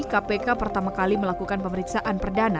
kpk pertama kali melakukan pemeriksaan perdana